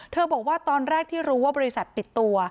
บอกว่าตอนแรกที่รู้ว่าบริษัทปิดตัว